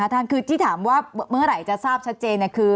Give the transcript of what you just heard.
ท่านคือที่ถามว่าเมื่อไหร่จะทราบชัดเจนคือ